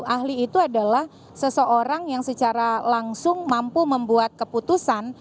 ahli itu adalah seseorang yang secara langsung mampu membuat keputusan